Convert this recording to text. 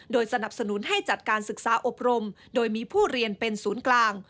สนับสนุนให้จัดการศึกษาอบรมโดยมีผู้เรียนเป็นศูนย์กลาง